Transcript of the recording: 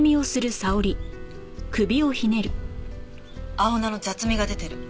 青菜の雑味が出てる。